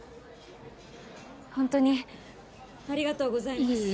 ホントにありがとうございますいえ